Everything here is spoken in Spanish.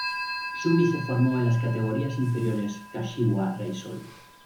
Sugi se formó en las categorías inferiores Kashiwa Reysol.